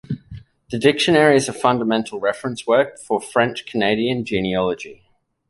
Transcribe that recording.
The Dictionary is a fundamental reference work for French-Canadian genealogy.